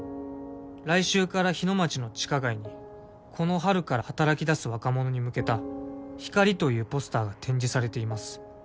「来週から陽ノ町の地下街にこの春から働き出す若者に向けた『光』というポスターが展示されています」